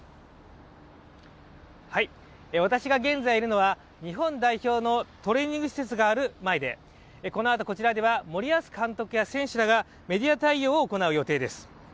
私が現在いるのは、日本代表のトレーニング施設がある前でこのあとこちらでは、森保監督や選手らがメディア対応を行う予定です。